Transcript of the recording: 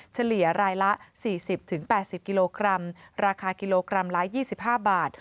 เฉลี่ยรายละ๔๐๘๐กิโลกรัมราคากิโลกรัมละ๒๕บาท